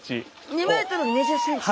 ２ｍ２０ｃｍ。